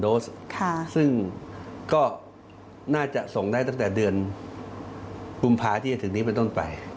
โสซึ่งก็น่าจะส่งได้ตั้งแต่เดือนกุมภาที่จะถึงนี้เป็นต้นไป